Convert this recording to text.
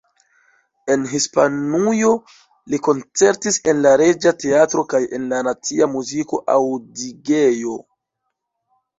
En Hispanujo li koncertis en la Reĝa Teatro kaj en la Nacia Muziko-Aŭdigejo.